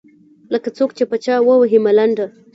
لکــــه څــوک چې په چـــا ووهي ملـــنډه.